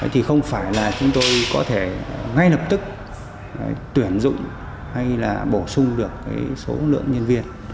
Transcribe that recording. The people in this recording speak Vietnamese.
thì không phải là chúng tôi có thể ngay lập tức tuyển dụng hay là bổ sung được số lượng nhân viên